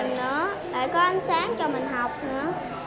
đã có ánh sáng cho mình học nữa